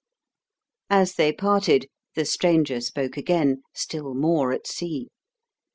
As they parted, the stranger spoke again, still more at sea.